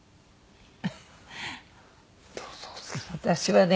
私はね